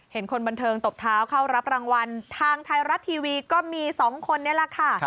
คนบันเทิงตบเท้าเข้ารับรางวัลทางไทยรัฐทีวีก็มี๒คนนี้แหละค่ะ